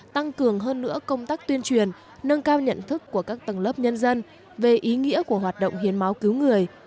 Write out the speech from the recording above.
tăng cường hơn nữa công tác tuyên truyền nâng cao nhận thức của các tầng lớp nhân dân về ý nghĩa của hoạt động hiến máu cứu người